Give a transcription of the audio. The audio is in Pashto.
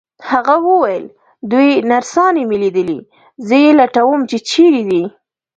هغه وویل: دوې نرسانې مي لیدلي، زه یې لټوم چي چیري دي.